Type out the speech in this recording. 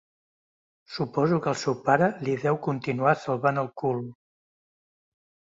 Suposo que el seu pare li deu continuar salvant el cul.